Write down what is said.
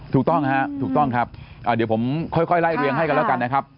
ถูกต้องฮะถูกต้องครับเดี๋ยวผมค่อยไล่เรียงให้กันแล้วกันนะครับ